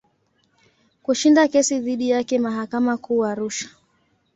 Kushinda kesi dhidi yake mahakama Kuu Arusha.